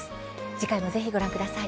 次回もぜひご覧ください。